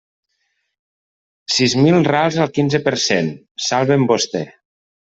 Sis mil rals al quinze per cent; salve'm vostè.